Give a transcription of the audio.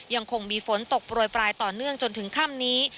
ยังคงมีฝนตกโปรยปลายต่อเนื่องจนถึงค่ำนี้